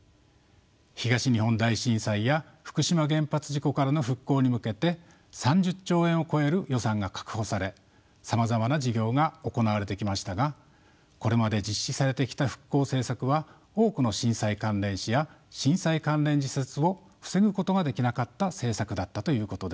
東日本大震災や福島原発事故からの復興に向けて３０兆円を超える予算が確保されさまざまな事業が行われてきましたがこれまで実施されてきた復興政策は多くの震災関連死や震災関連自殺を防ぐことができなかった政策だったということです。